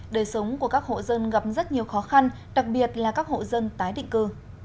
đời sống của các hộ dân gặp rất nhiều khó khăn đặc biệt là các hộ dân tái định cư